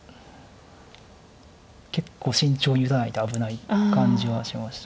結構慎重に打たないと危ない感じはしました。